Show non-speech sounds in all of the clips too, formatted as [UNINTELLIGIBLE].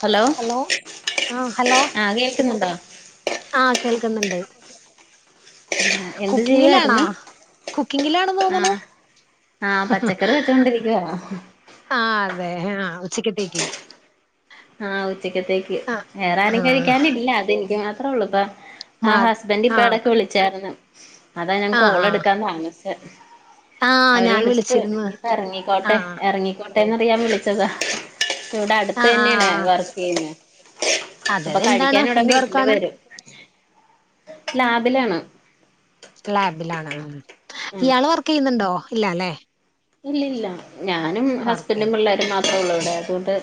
Hello ആ ആഹ് കേൾക്കുന്നുണ്ടോ ആഹ് കേൾക്കുന്നുണ്ട് ആഹ് എന്ത് കുക്കിങ്ങിലാണാ ചെയ്യുവായിരുന്നു കുക്കിങ്ങിലാണെന്ന് തോന്നുണു ആഹ പച്ചക്കറി വെച്ചൊണ്ടിരിക്കവാ ആ അതെ ആഹ ഉച്ചക്കത്തെക്കി ആഹ് ഉച്ചക്കത്തേക്ക് ആ വേറെ ആ ആരും കഴിക്കാനില്ല അതെനിക്ക് മാത്രേള്ളൂ ഇപ്പ ആ മാ ഹസ്ബൻഡ ആ ഇപ്പ എടക്ക് വിളിച്ചായിന്ന് അതാ ഞാൻ ആ കോൾ ആ എടുക്കാന് താമസിച്ചേ ആ അവര് ഞാൻ വിളിച്ചിട്ട് വിളിച്ചിരുന്നു ആ ഇനിപ്പൊ ഇറങ്ങിക്കോട്ടെ ആ ഇറങ്ങിക്കോട്ടെന്നറിയാൻ വിളിച്ചതാ ഇവിടെ ആ അടുത്ത് ആ തന്നെയാണ് ആ വർക്ക്‌ ചെയ്യുന്നേ അതെ അപ്പൊ അതെ. എന്താണ് കഴിക്കൻ ഇട എന്ത് വീട്ടില് വർക്കാണ് വരും ലാബിലാണോ ലാബിലാണ് ഉ ആഹ് ഇയാള് വർക്ക് ചെയ്യുന്നുണ്ടോ ഇല്ലല്ലെ ഇല്ല ഇല്ല ഞാനും ഹസ്ബൻറും ചെയ്യുന്നു പിള്ളേരും മാത്രേള്ളൂ ഇവിടെ അതുകൊണ്ട്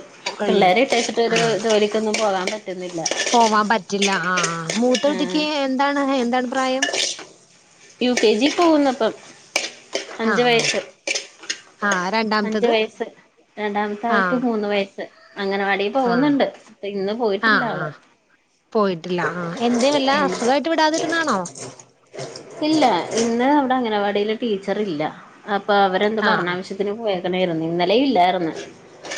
ഉള്ളു പിള്ളേര് ഇട്ട ആ വെച്ചിട്ടൊരു ജോലിക്കിക്കൊന്നും പോകാൻ പറ്റുന്നില്ല പോവാൻ പറ്റില്ല ആ മൂത്ത ആഹ് കുട്ടിക്ക് എന്താണ് എന്താണ് പ്രായം യു കെ ജി പോകുന്നപ്പം അഞ്ച് വയസ്സ് ആഹ രണ്ട അഞ്ചു വയസ്സ് രണ്ടാമത്താൾക്ക് മൂന്ന് വയസ്സ് അങ്ങനവാടി ആ പോകുന്നുണ്ട് ഇപ്പൊന്ന് ആ പോയിട്ടില്ല ആ ആള് പോയിട്ടില്ല ആ എന്തേ വല്ല അസുഖായിട്ട് വിടാതിരുന്നാണോ ഇല്ല ഇന്ന് അവടെ അംഗനവാടിൽ ടീച്ചർ ഇല്ല അപ്പൊ അവരെന്താ പറണ ആഹ് ആവശ്യ പോകണായ്ര്ന്ന് ഇന്നലെയും ഇല്ലായിര്ന്ന്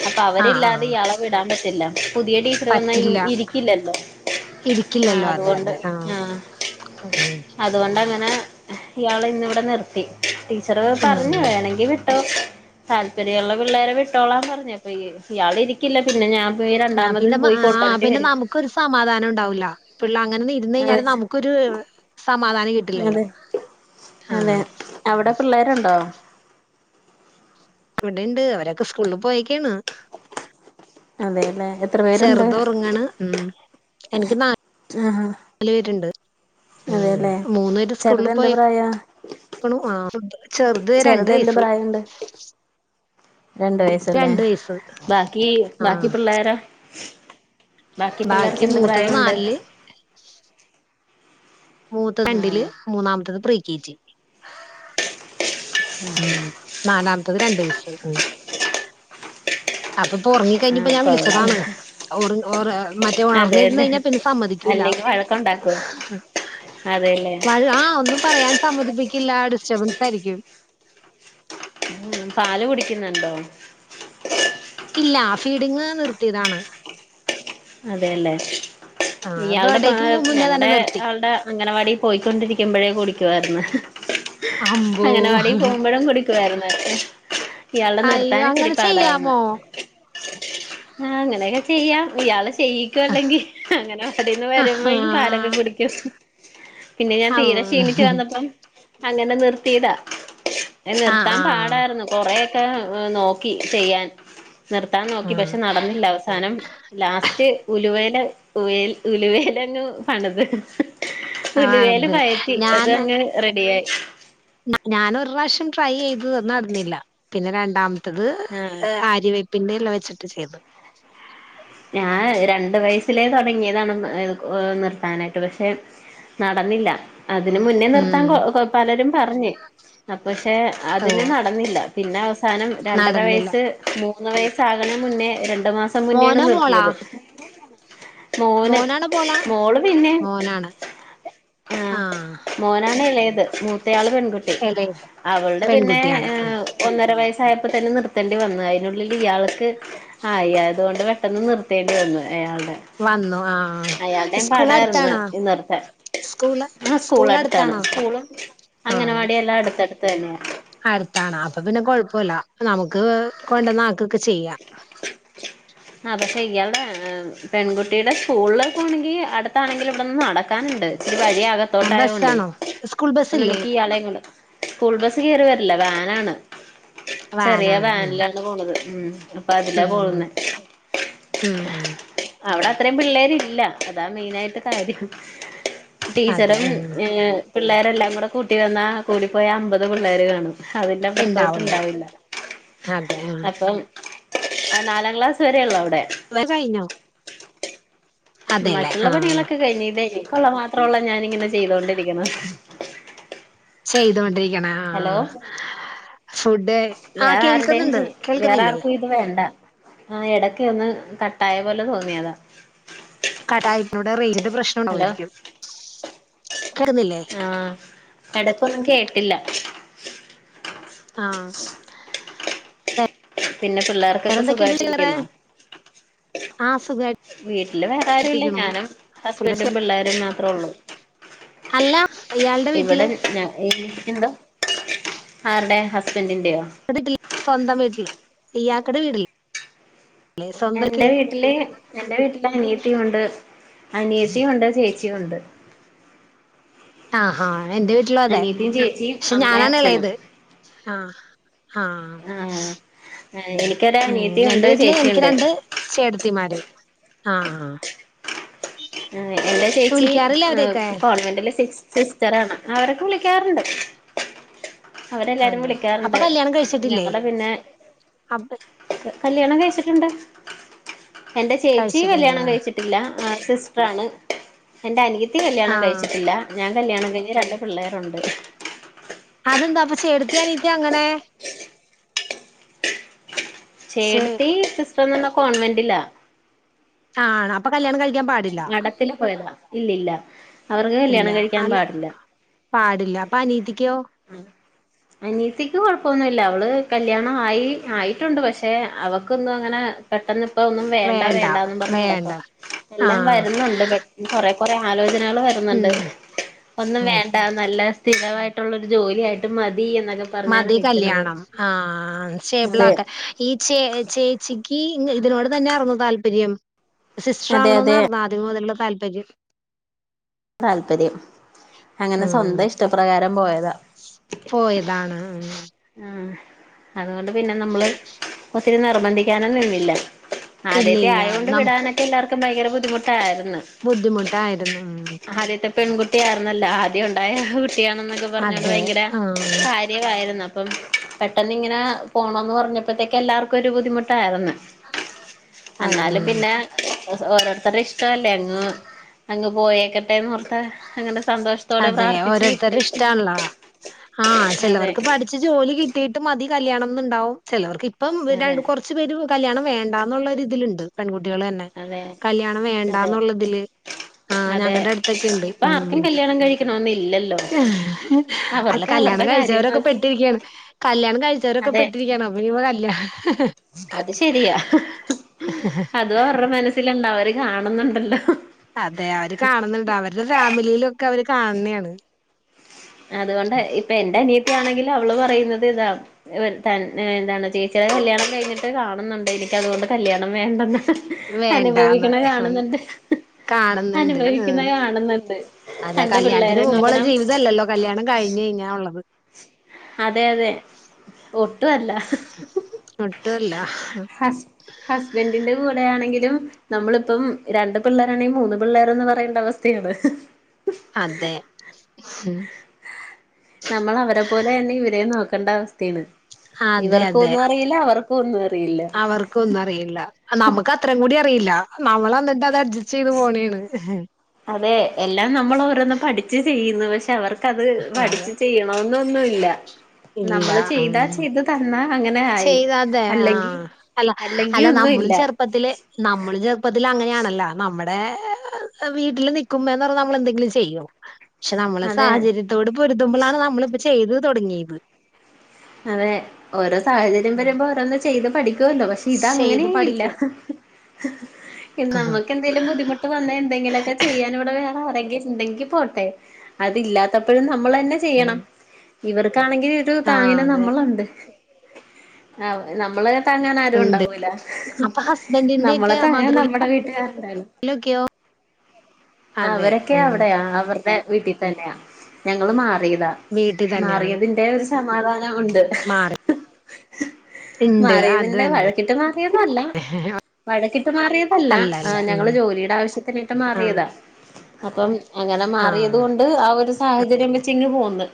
അപ്പൊ ആഹ് അവരില്ലാതെ ആഹ് ഇയാളെ വിടാൻ പറ്റില്ല പുതിയ ടീച്ചർ വന്നാ പറ്റില്ല ഇരിക്കില്ലല്ലോ ആഹ ഇരിക്കില്ലല്ലോ അതെ അതുകൊണ്ട് അതെ ആഹ് ആഹ ഉം [UNINTELLIGIBLE] അതുകൊണ്ട്ങ്ങനെ ഇയാളെ ഇന്നിവിടെ നിർത്തി ടീച്ചർ പറഞ്ഞു ഉം വേണങ്കിൽ താല്പര്യമള്ള പിള്ളേരെ വിട്ടോളാ പറഞ്ഞുപ്പൊ ഇയാൾ ഇരിക്കില്ല പിന്നെ ഞാൻ യി രണ്ടാമത് പോയി കൊട്ടരണ്ടി വരും ഒരു സമാധാനം ഉണ്ടാവില്ല പിള്ള അങ്ങനെ ഇരുന്ന് കഴിഞ്ഞാൽ നമുക്കൊരു സമാധാനം കിട്ട അതെ അതെ അവിടെ പിള്ളേരുണ്ടോ ഇവിടെുണ്ട് അവരൊക്കെ സ്കൂളിൽ പോയേക്കാണ് അതെലെ എ ചെറുത് ഉറങ്ങണം എനിക്ക് നാ ആഹാ നാല് പേരുണ്ട് അതെല്ലേ മൂന്നു പേര് സ്കൂളിൽ ചെറുത് എന്ത് പോയി പ്രായാ അ ആ ചെറുത് രണ്ട് വയസു രണ്ട വയസല്ലേ വയസ്സ് ബാക്കി ബാക്കി ആഹ് പിള്ളോര ബാക്കി പിള്ളേർക്ക് എന്ത് മൂത്തത് പ്രായമുണ്ട് നാലില് മൂത്ത രണ്ടില് ആഹ് മൂന്നാമത്തത് പ്രീ കെജി നാലാമത്തത് രണ്ട് വയസ് അപ്പൊപ്പൊ ഉറങ്ങി കഴിഞ്ഞപ്പോ ആഹ് ഞാൻ കൊള്ളാം വിളിച്ചതാണ് ഓർ ഓ മറ്റേ ഉണർന്നിരന്ന് കഴിഞ്ഞാൽ പിന്നെ സമ്മതിക്കൂില്ല ഉണ്ടാക്ക അതെല്ലേ അ ആഹ ഒന്നും പറയാൻ സമ്മതിപ്പിക്കില്ല ഡിസ്റ്റർബൻസ് ആയിരിക്കും ഉ പാല് കുടിക്കുന്നുണ്ടോ ഇല്ല ഫീഡിങ്ങ് നിർത്തിയതാണ് അതെല്ലേ ആ ഇയാളുടെ ബേർഡേക്ക് മുന്നേ തന്നെ പ്രാ'ഞങ്ങളടെ നിർത്തി ആയാളുടെ അംഗനവാടി പോയ്ക്കൊണ്ടിരിക്കുമ്പോഴേ കുടിക്കുവായിന്ന് അമ്പോ അങ്ങനെവാടി പോകുമ്പോഴും കുടിക്കുവായിരുന്നു ഇയാളെ അയ്യോ നിർത്താനച്ചരി അങ്ങനെ പാടായിരുന്ന് ചെയ്യാമോ ആ അങ്ങനെയൊക്കെ ചെയ്യാം ഇയാള ചെയ അല്ലെങ്കിൽ അങ്ങനെ അവിടെന്ന് ആഹാ വരുമ്പോങ്കും പാലൊക്കെ കുടിക്കും പിന്നെ ഞാൻ തീരെ ക്ഷീണിച്ചു വന്നപ്പം അങ്ങനെ നിർത്തിതാ [UNINTELLIGIBLE] ആ ആ നിർത്താൻ പാടായിരുന്നു. കൊറയൊക്കെ ഏഹ് നോക്കി ചെയ്യാൻ നിർത്താൻ നോക്കി പക്ഷെ ആ നടന്നില്ല അവസാനം ലാസ്റ്റ് ഉലുവേല ഉൽ ഉലുവേലങ്ങ് പണിത് ഉലുവയില് അതെ പയറ്റി അതങ്ങ് റെഡിയായി ഞാൻ ഒരു പ്രാശ്യം ട്രൈ ചെയ്തത് നടന്നില്ല പിന്നെ രണ്ടാമത്തത് ആഹ് ഏഹ് ആര്യവേ പ്പിന്റെ ഇല വെച്ചിട്ട് ചെയ്തു. ഞാൻ രണ്ട് വയസിലേ തൊടങ്ങിയതാണ് ഏഹ് നിർത്താനായിട്ട് പഷെ നടന്നില്ല അതിന് മുന്നേ നിർത്താൻ ഉം കൊ പലരും പറഞ്ഞ് അ പഷെ അതിന് ഉവ്വ് നടന്നില്ല പിന്നെ അവസാനം രണ്ടര നടന്നില്ല. വയസ്സ് മൂ ഒന്നാം വയസ്സ് ആവുണേന് മുന്നേ രണ്ടു മാസം മുന്നോണ് മോനാ നിർ മോളാ? മോന് മോനാണോ മോളാ? മോള് പിന്നേം മോനാണ്. ആഹ് ആഹ് മോനാണ് എളയത് മൂത്തയാള് പെൺകുട്ടി എളയത് അവളുടെ പിന്നെ പെൺകുട്ടിയാണ്. ഉം ഏഹ് ഒന്നര വയസ്സായപ്പോ തന്നെ നിർത്തേണ്ടി വന്നു അതിനുള്ളിലിയാൾക്ക് ആയി അതുകൊണ്ട് [UNINTELLIGIBLE] പെട്ടെന്ന് നിർത്തേണ്ടി വന്നു അയാൾടെ, വന്നു ആഹ് അയാൾടെയും സ്കൂള് പാടായിരുന്ന് അടുത്താണോ? നിർത്താൻ. സ്കൂള് ആ സ്കൂള് സ്കൂളടുത്താണ് അടുത്താണോ? സ്കൂളും ആഹ് ന്ന് അങ്ങനവാടിയെല്ലാം അടുത്തടുത്തന്നെയാണ്. അടുത്താണ് അപ്പൊ പിന്നെ കൊഴപ്പൊല്ല നമുക്ക് കൊണ്ടന്നാക്കൊക്കെ ചെയ്യാം. ആഹ് പക്ഷെ ഇയാളുടെ പെൺകുട്ടിയുടെ സ്കൂളിലേ പോണെങ്കി അടുത്താണെങ്കിലും ഇവിടെന്ന് നടക്കാനിണ്ട്. ഒരു വഴി ആഹ് അകത്തോട്ടായോണ്ടെ ബസ്സാണോ? സ്കൂൾ അപ്പൊ ബസ്സില്ലേ? നമുക്ക് ഇയാളെ കൊണ്ട് സ്കൂൾ ബസ് കയറി വരില്ല വാനാണ് ചെറിയ വാനാണ്. ഉം വാനിലാണ് പോണത് ഉം അപ്പൊ അതിലാ ഉം പോവുന്നെ. ഉം അവടെ അത്രേം പിള്ളേരില്ല അതാ മെയിനായിട്ട് കാര്യം. അതെ ടീച്ചറും ഉം ഏഹ് പിള്ളേരെല്ലാം കൂടെ കൂട്ടി വന്നാ കൂടിപ്പോയാ അമ്പത് പിള്ളേര് കാണും. അതിന്റെ അപ്പറത്തോട്ട് ഇണ്ടാവുള്ളൂ. ഇണ്ടാവില്ല അതെ ആഹ്. അപ്പം ആഹ് നാലാം ക്ലാസ് വരേള്ളൂ അവടെ [UNINTELLIGIBLE] കഴിഞ്ഞോ? അതെല്ലേ മറ്റുള്ള ആഹ്. പണികളൊക്കെ കഴിഞ്ഞ്, ഇത് എനിക്കുള്ള മാത്രൊള്ള ഞാനിങ്ങനെ ചെയ്തൊണ്ടിരിക്കണത്. ചെയ്തൊണ്ടിരിക്കണാ ഹലോ ആഹ് വേറെ ആരുടെയും കേൾക്കുന്നുണ്ട്. ചെയ് വേറെ കേൾക്കുന്നില്ലേ? ആർക്കും വേണ്ട ആഹ് എടയ്ക്ക് ഒന്ന് കട്ടായ പോലെ തോന്നിയതാ. കടായപ്പൂവടെ റേഞ്ചിന്റെ പ്രശ്നം ഹലോ ഇണ്ടാവേരിക്കും കേക്കുന്നില്ലേ? ആഹ് എടക്കൊന്നും കേട്ടില്ല. ആഹ് പിന്നെ പിള്ളേർക്കൊക്കെ വേറെന്തൊക്കെയുണ്ട് വിശേഷം വേറെ? സുഖായിട്ടിരിക്കണോ? ആഹ് സുഖായി വീട്ടില് വേറെ ആരുല്ല, ഞാനും ഹസ്ബൻറും പിള്ളേരും മാത്രള്ളൂ. അല്ല ഇയാളുടെ വീട്ടില് ഇവടെ ഞാ ഏഹ് എന്തോ? ആർടെ ഹസ്ബൻറിന്റെയോ? [UNINTELLIGIBLE] സ്വന്തം വീട്ടില് ഇയാക്കടെ വീടി [UNINTELLIGIBLE] എന്റെ വീട്ടില് എന്റെ വീട്ടില് അനിയത്തിയുണ്ട്, അനിയത്തിയുണ്ട് ചേച്ചിയുണ്ട്. ആഹാ എന്റെ വീട്ടിലും അതെ അനിയത്തിയും ചേച്ചിയും പക്ഷെ അമ്മയും ഞാനാണ് അച്ഛനും എളേത് ആഹ് ആഹ് എനിക്കൊരു ഉം എന്റെ അനിയത്തിയുണ്ട് വീട്ടില് എനിക്ക് ചേച്ചിയുണ്ട് രണ്ട് ചേട്ടത്തിമാര് ആഹ് ആഹ് ഏഹ് എന്റെ ചേച്ചി വിളിക്കാറില്ലേ അവരെയൊക്കെ ഏഹ് കോൺവെന്റിലെ സിസ് സിസ്റ്ററാണ്, അവരൊക്കെ വിളിക്കാറ്ണ്ട്. അവരെല്ലാരും അതോ അപ്പൊ വിളിക്കാറ്ണ്ട് കല്യാണം കഴിച്ചിട്ടില്ലേ ഞങ്ങടെ പിന്നെ അപ്പ കല്യാണം കഴിച്ചിട്ട്ണ്ട് എന്റെ ചേച്ചി കഴിച്ചിട്ടുണ്ട് കല്യാണം ആഹ് കഴിച്ചിട്ടില്ല ആ സിസ് സ്റ്ററാണ് എൻ്റെ അനിയത്തി കല്യാണം ആഹ് കഴിച്ചിട്ടില്ല, ഞാൻ കല്ല്യാണം കഴിഞ്ഞ് രണ്ട് പിള്ളേരൊണ്ട്. അതെന്താ അപ്പ ചെട്ത്തിയനിയത്തി അങ്ങനെ? ചേ ചേടത്തി സിസ്റ്റർന്ന് പറഞ്ഞാ കോൺവെന്റിലാ ആഹ് അപ്പൊ കല്യാണം കഴിക്കാൻ പാടില്ല. ത്തിൽ പോയതാ ഇല്ലല്ല ഇല്ല അല്ല പാടില്ല അപ്പൊ അനിയത്തിക്കോ? ഉം അനീയതിക്ക് കൊഴപ്പൊന്നുല്ല അവള് കല്യാണം ആയി ആയിട്ടുണ്ട് പക്ഷെ അവക്കൊന്നും അങ്ങനെ പെട്ടെന്ന് ഇപ്പ ഒന്നും വേണ്ട വേണ്ടാന്ന് പറഞ്ഞഞ് നടക്കാ എല്ലാം ആഹ് വരുന്നുണ്ട് പെ കൊറെ കൊറെ ആലോചനകൾ വരുന്നുണ്ട് ഉം ഒന്നും ഉം വേണ്ട നല്ല സ്ഥിരമായിട്ട് ട്ടൊരു ജോലിയായിട്ട് മതി എന്നൊക്കെ മതി നിക്ക്ണത് കല്യാണം ആഹ അതെ സറ്റേബിളാകാൻ ഈ ചേ ചേച്ചിക്ക് ഇതിനോട് തന്നെ യാർന്നോ താല്പര്യം സിസ്റ്റർ അതെ അതെ ആവണന്നാർന്നോ ആദ്യം മുതലുള്ള താല്പര്യ?. താല്പര്യം അങ്ങനെ ഉം സ്വന്തം ഇഷ്ടപ്രകാരം പോയതാ പോയതാണ് ആഹ് ആഹ് അതുകൊണ്ട് പിന്നെ നമ്മള് ഒത്തിരി നിർബന്ധിക്കാനോന്നും നിന്നില്ല. ഇല്ല ആദ്യായിട്ട് ഇല്ല ആയൊണ്ട് നമുക്ക് വിടാനൊക്കെ എല്ലാവർക്കും ഭയങ്കര ബുദ്ധിമുട്ടാരുന്നു ബുദ്ധിമുട്ടായിരുന്നു ഉം ആദ്യത്തെ പെൺകുട്ടി ആയിരുന്നല്ലോ ആദ്യം ഉണ്ടായ കുട്ടിയാണെന്നൊക്കെ പറഞ്ഞോ അതെ ഭയങ്കര ആഹ് കാര്യ തായിരുന്നു. അപ്പം പെട്ടെന്ന് ഇങ്ങനെ പോണന്ന് പറഞ്ഞപ്പത്തേക്ക് എല്ലാർക്കൊരു ബുദ്ധിമുട്ടാര്ന്ന് അത് എന്നാലും പിന്നെ ഓരോരുത്തരുടെ ഇഷ്ടല്ലേ അങ്ങ് അങ്ങ് പോയേക്കട്ടെന്ന് ഓർത് അങ്ങനെ സന്തോഷത്തോടെ അതെ പ്രാർത്ഥിച്ച് വിട്ട് ഓരോരുത്തരുടെ ഇഷ്ടാണല്ലോ അതെ ച്ച് ജോലി കിട്ടിട്ട് മതി കല്യാണംന്നുണ്ടാവും ചിലവർക്ക് ഇപ്പം അതെ രൻ കുറച്ച് ച്ചുപേരും കല്യാണം വേണ്ടന്നുള്ള ഒരു ഇതിലുണ്ട് പെൺകുട്ടികൾ തന്നെ അതെ കല്യാണം അതെ വേണ്ടാന്നുള്ളതില് ആഹ് അതെ ഞങ്ങടെ അടുത്തൊക്കെ ഉണ്ട് ഇപ്പൊ ആർക്കും ഉം കല്യാണം കഴിക്കണോന്നില്ലല്ലോ അല്ല അവർക്ക് കല്യാണം അവരുടെ കാര്യം കഴിച്ചവരൊക്കെ നോക്കി പെട്ടി രിക്കയാണ് കല്യാണം കഴിച്ചവരൊക്കെ അതെ പെട്ടിരിക്കാണ് അപ്പോ ഇനി ഇപ്പോ കല്യാ ഹ് ഹ് അത് ശരിയാ അതും അവരുടെ മനസ്സിലുണ്ടാവും അവര് കാണുന്നുണ്ടല്ലോ അതെ അവര് കാണുന്നുണ്ട് അവരുടെ ഫാമിലിയിലൊക്കെ അവര് കാണുന്നയാണ് അതുകൊണ്ട ഇപ്പൊ എന്റെ അനിയത്തി ആണെങ്കിലും അവള് പറയുന്നത് ഇതാ എന്താണ് ചേച്ചിയുടെ കല്യാണം കഴിഞ്ഞിട്ട് കാണുന്നുണ്ട് എനിക്കു അതുകൊണ്ട് കല്യാണം വേണ്ടെന്ന് ഹ് വേണ്ടാന്ന് അനുഭവിക്കണ ഉം കാണുന്നുണ്ട് ഹ് കാണുന്നുണ്ട് അനുഭവിക്കുന്ന ഉം കാണുന്നുണ്ട് അതെ രണ്ട് കല്യാണത്തിന് പിള്ളേരേം മുമ്പുള്ള നോക്കണം ജീവിതല്ലല്ലോ കല്യാണം കഴിഞ്ഞയ്ഞ്ഞ ഉള്ളത് അതെ അതെ ഒട്ടുവല്ല ഹ് ഹ് ഹ് ഒട്ടുവല്ല ഹ് ഹസ്ബന്റിന്റെ കൂടെ ആണെങ്കിലും നമ്മളിപ്പം രണ്ട് പിള്ളേരാണെങ്കി മൂന്ന് പിള്ളേർന്ന് പറയേണ്ട അവസ്ഥയാണ് ഇഹ് അതെ മുഹ് നമ്മൾ അവരെ പോലെ തന്നെ ഇവരേം നോക്കേണ്ട അവസ്ഥയാണ് അതെ അതെ ഇവർക്കൊന്നും അറിയില്ല അവർക്കോന്നും അറിയില്ല ക്കൊന്നും അറിയില്ല നമുക്ക് അത്രയും കൂടി അറിയില്ല നമ്മൾ എന്നിട്ട് അത് അഡ്ജസ്റ്റ് ചെയ്ത് പോണെയാണ് ഇഹ് അതെ എല്ലാം നമ്മൾ ഓരോന്ന് പഠിച്ച് ചെയ്യുന്നു പക്ഷെ അവർക്കത് അതെ പഠിച്ച് ചെയ്യ അന്നൊന്നുവില്ല ഇല്ല നമ്മള് ഉം ചെയ്താ ചെയ്ത് തന്നാ അങ്ങനെ ആയി ചെയ്ത അതെ അല്ലെങ്കി ആഹ് അല്ലെങ്കി ഒന്നു ഇല്ല നമ്മൾ ചെറുപ്പത്തിൽ അങ്ങനെയാണല്ലോ നമ്മടെ വീട്ടിൽ നിക്കും എന്ന് പറഞ്ഞാ നമ്മൾ എന്തങ്കിലും ചെയ്യും പക്ഷെ നമ്മളെ അതെ സാഹചര്യത്തോട് പൊരുതുമ്പോഴാണ് നമ്മളിപ്പോ ചെയ്ത് തുടങ്ങിയത് അതെ ഓരോ സാഹചര്യം ഉം. വരുമ്പോൾ ഓരോന്നും ചെയ്ത് പഠിക്കുവല്ലോ പക്ഷെ ഇത് ചെയ്ത് അങ്ങനെയും ഇല്ല. പഠിക്കും ഇനി ആഹ് നമ്മുക്ക് എ ന്തേലും ബുദ്ധിമുട്ട് വന്ന എന്തെങ്കിലൊക്കെ ചെയ്യാൻ ഇവിടെ വേറെ ആരെങ്കിലു ഉണ്ടെങ്കിൽ പോട്ടെ അതിലാത്തപ്പോഴും നമ്മൾ തന്നെ ചെയ്യണം ഇവർക്കാണെങ്കിൽ ഇത് താങ്ങിന അതെ ണ്ട് ഏഹ് നമ്മളെ താങ്ങൻ ആരു ഉണ്ട് ഉണ്ടാവൂല അപ്പൊ ഹസ്ബൻഡിന്റെ നമ്മളെ ഒക്കെ താങ്ങൻ മദർ ഇൻ നമ്മടെ വീട്ടുകാരുണ്ടുകും. ലൊക്കെയോ അതെ അവരൊക്കെ ഉം അവിടെയാ അവർ ടെ വീട്ടിൽ തന്നെയാ ഞങ്ങള് മാറിയതാ വീട്ടിൽ തന്നെയാണ് മാറിയതിന്റെ ഒരു സമാധാനം ഉണ്ട്. മാറി ഇണ്ട് അത് മാറിയതിന്റെ തന്നെ വഴക്കിട്ട് മാറിയൊന്നുവല്ല വഴക്കിട്ട് മാറിയതല്ല അല്ല അല്ല ആഹ് ഉം ഞങ്ങള് ജോലിയുടെ ആവശ്യത്തിന്ട്ട് ആഹ് മാറിയതാ അപ്പം അങ്ങനെ മാറിയത് ആഹ് കൊണ്ട് ആ ഒരു സാഹചര്യം വെച്ചിങ്ങ് പോന്ന്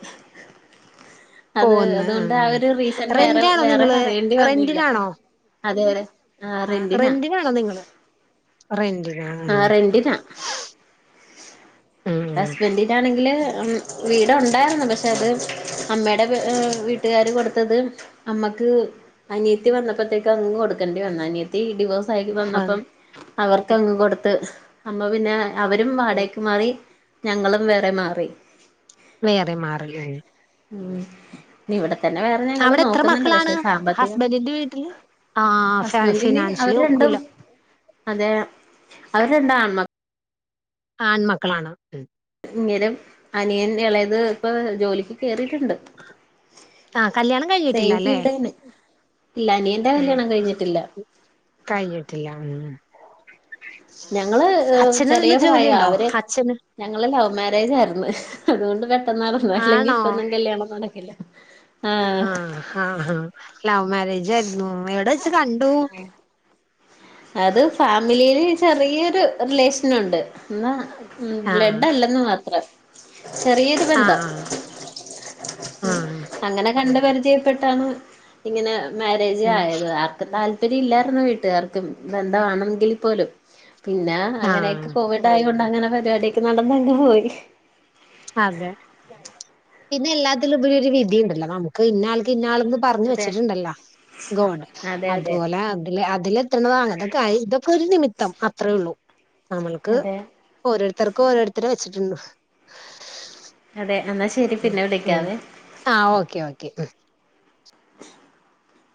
അത് പോന്ന് അതുകൊണ്ട് ഉം ആ ഒരു റീസൺ വേറെ റെന്റാണോ വേറെ നിങ്ങള് പറയേണ്ടി വന്നില്ല റെന്റിനാണോ അതെ ആ ആഹ് റെന്റിനാ റെന്റിനാണോ നിങ്ങള് റെന്റ് ആഹ് റെന്റിന ഉം ഉം ഹസ്ബന്റീനാണെങ്കിൽ വീട് ഉണ്ടായിരുന്നു പക്ഷെ അത് അമ്മേട വീ ട്ടുക്കാര് കൊടുത്തത് അമ്മക്ക് അനിയത്തി വന്നപ്പോത്തേക്ക് അങ്ങ് കൊടുക്കേണ്ടി വന്ന് അനിയത്തി ഡിവോഴ്സ് ആയി വന്നപ്പം വന്ന് അവർക്കങ് കൊടുത്ത് അമ്മ പിന്നെ അവരും വാടേക്ക്‌ മാറി ഞങ്ങളും വേറെ മാറി വേറെ മാറൽ ഉം ഇവിടെ തന്നെ വേറെ ഞങ്ങൾ അവിടെ എത്ര നോക്കുന്നുണ്ട് മക്കളാണ് പക്ഷെ സാമ്പത്തികം ഹസ്ബൻഡിന്റെ വീട്ടില് ആഹ് ഫ ഹസ്ബന്റന് അവര് ഫിനാൻഷ്യലി രണ്ടും ഒക്കൂല അതെ അവര് രണ്ടും ആണ്മക്കൾ ആൺമക്കളാണ് മ് ഇങ്ങേരം അനിയൻ ഇളയത് ഇപ്പൊ ജോലിക്ക് കേറിയിട്ടുണ്ട്. ആഹ് കല്യാണം കഴിഞ്ഞിട്ടില്ല സെയിം അല്ലേ ഫീൽഡ്ന്നെ ഇല്ല അനിയന്റെ കല്യാണം കഴിഞ്ഞിട്ടില്ല കയിഞ്ഞിട്ടില്ല മ് ഞങ്ങള് ചെറിയ പ്രായാ ജോലിയുണ്ടോ അവര് അച്ഛന് ഞങ്ങളൾ ലവ് മാരേജ് ആയിരുന്നു അതുകൊണ്ട് പെട്ടെന്ന് നടന്നു അല്ലെങ്കി ആണോ ഇപ്പൊന്നും കല്ല്യാണം നടക്കില്ല [INAUDIBLE] ആഹ് ആഹ് ഹാ ലവ് മാരേജായിരുന്നു എവിടെ വെച്ച് കണ്ടു അത് ഫാമിലിയില് ചെറിയൊരു റിലേഷൻ ഉണ്ട് എന്നാ ആഹ് ബ്ലഡ് അല്ലെന്ന് മാത്രം ചെറിയൊരു ബന്ധം ആഹ് ആഹ് ആഹ് അങ്ങനെ കണ്ട് പരിചയപ്പെട്ടാണ് ഇങ്ങനെ മാരെജ് ഉം ആയത് ആർക്കും താല്പര്യം ഇല്ലായിരുന്നു വീട്ടുകാർക്കും ബന്ധവാണമെങ്കിൽ പോലും. പിന്നെ ആഹ് അങ്ങനെയൊക്കെ കോവിഡ് ആയൊണ്ട് അങ്ങനെ പരിപാടിഒക്കെ നടന്നങ്ങനെ പോയി അതെ പിന്നെ എല്ലാത്തിലുംപരി ഒരു വിധിയിണ്ടല്ലോ നമുക്ക് ഇന്നാൾക്ക് ഇന്ന ആൾ പറഞ്ഞ് അതെ വെച്ചിട്ടുണ്ടല്ലോ ഗോഡ് അതെ അതെ അതുപോലെ അതിൽ എത്രണ് അത് ഇതൊക്കെ ഒരു നിമിത്തം അത്രയേ ഒള്ളൂ നമ്മൾക്ക് അതെ ഓരോരുത്തർക്കും ഓരുത്തരെ വെച്ചിട്ടുണ്ട്. അതെ എന്നാൽ ശരി പിന്നെ വിളിക്കാവേ ആ ഓക്കേ ഓക്കെ